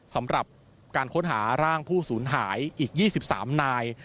สำหรับการค้นหาร่างผู้สูญหายอีก๒๓นาย